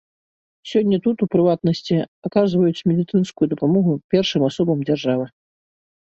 Сёння тут, у прыватнасці, аказваюць медыцынскую дапамогу першым асобам дзяржавы.